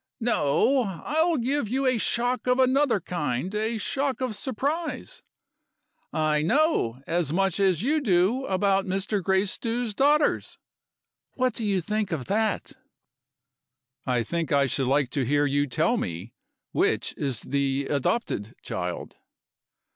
No! I'll give you a shock of another kind a shock of surprise. I know as much as you do about Mr. Gracedieu's daughters. What do you think of that?" "I think I should like to hear you tell me, which is the adopted child."